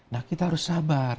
nah kita harus sabar